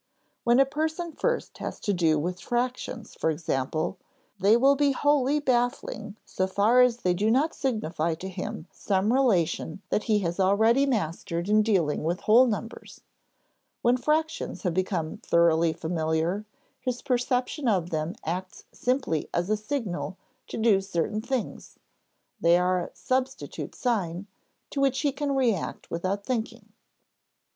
When a person first has to do with fractions, for example, they will be wholly baffling so far as they do not signify to him some relation that he has already mastered in dealing with whole numbers. When fractions have become thoroughly familiar, his perception of them acts simply as a signal to do certain things; they are a "substitute sign," to which he can react without thinking. (Ante, p. 178.)